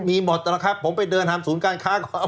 มีหมดแล้วครับผมไปเดินทำศูนย์การค้าก่อน